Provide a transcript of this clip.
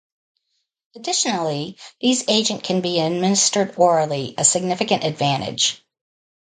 Additionally, these agent can be administered orally, a significant advantage.